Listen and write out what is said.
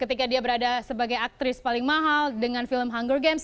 ketika dia berada sebagai aktris paling mahal dengan film hunger games